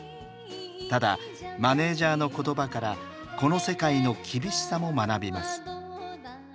ただマネージャーの言葉からこの世界の厳しさも学びます。